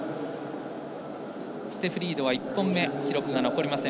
ステフ・リードは１本目記録が残りません。